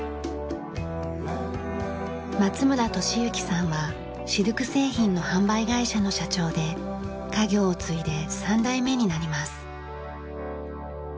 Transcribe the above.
松村俊幸さんはシルク製品の販売会社の社長で家業を継いで３代目になります。